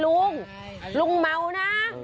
ลุงเมานะ